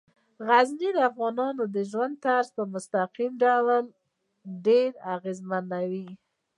غزني د افغانانو د ژوند طرز په مستقیم ډول ډیر اغېزمنوي.